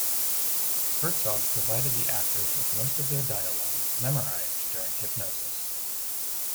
Herzog provided the actors with most of their dialogue, memorised during hypnosis.